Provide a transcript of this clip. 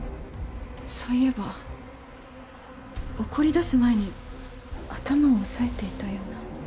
そういえば怒りだす前に頭を押さえていたような。